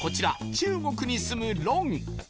中国にすむロン